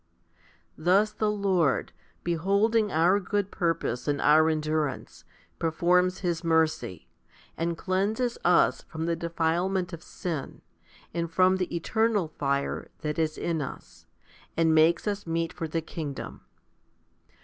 3 Thus the Lord, beholding our good purpose and our endurance, performs His mercy, and cleanses us from the 'defilement of sin, and from the eternal fire that is in us, and makes us meet for the kingdom.